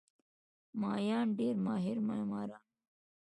مایان ډېر ماهر معماران وو.